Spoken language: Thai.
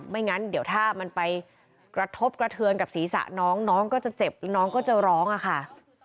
งั้นเดี๋ยวถ้ามันไปกระทบกระเทือนกับศีรษะน้องน้องก็จะเจ็บแล้วน้องก็จะร้องอะค่ะ